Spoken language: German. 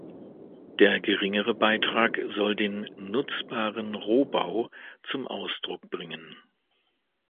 Der geringere Betrag soll den "nutzbaren Rohbau" zum Ausdruck bringen.